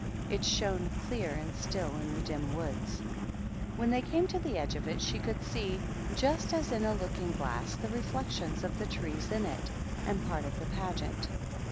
It shone clear and still in the dim woods. When they came to the edge of it she could see, just as in a I()()kin<»; ji; lass, the reflecti(ms of the trees in it, and part of the Pageant.